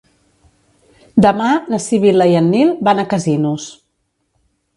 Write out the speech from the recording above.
Demà na Sibil·la i en Nil van a Casinos.